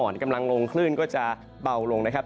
อ่อนกำลังลงคลื่นก็จะเบาลงนะครับ